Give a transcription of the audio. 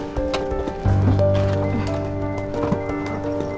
kamu dan iqbal kita